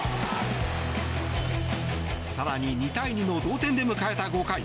更に２対２の同点で迎えた５回。